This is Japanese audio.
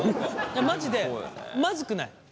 マジでまずくない。